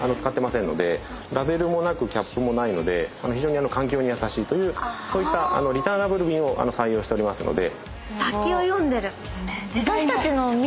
ラベルもキャップもないので非常に環境に優しいというそういったリターナブル瓶を採用しておりますので。